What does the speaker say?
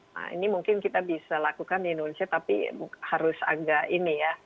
nah ini mungkin kita bisa lakukan di indonesia tapi harus agak ini ya